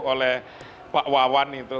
oleh pak wawan itu